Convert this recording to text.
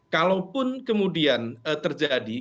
kalaupun kemudian terjadi